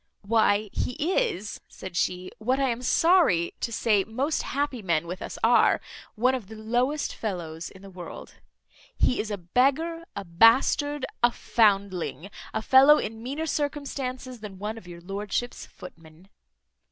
"Why, he is," said she, "what I am sorry to say most happy men with us are, one of the lowest fellows in the world. He is a beggar, a bastard, a foundling, a fellow in meaner circumstances than one of your lordship's footmen."